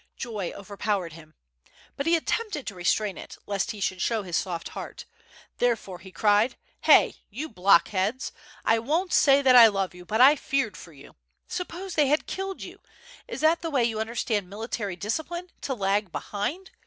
Joy overpowered him. But he attempted to restrain it lest he should show his soft heart, therefore he cried: "Hey! you blockheads! I won't say that I love you, but I feared for you. Suppose they had killed you! Is that the way you understand military discipline, to lag behind?